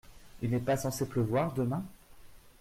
Il n’est pas censé pleuvoir demain ?